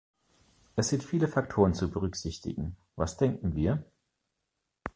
Es sind viele Faktoren zu berücksichtigen "Was denken wir?